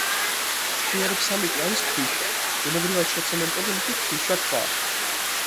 ფხვიერი ფსამიტი არის ქვიშა, ბუნებრივად შეცემენტებული კი ქვიშაქვა.